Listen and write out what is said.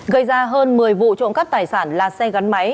gây ra hơn một mươi vụ trộm cắp tài sản là xe gắn máy